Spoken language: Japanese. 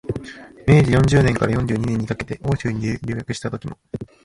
明治四十年から四十二年にかけて欧州に留学したときも、